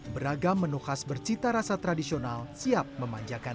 beragam menu khas bercita rasa tradisional siap memanjakan